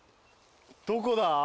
どこだ？